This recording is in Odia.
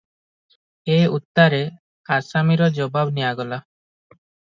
ଏ ଉତ୍ତାରେ ଆସାମୀର ଜବାବ ନିଆଗଲା ।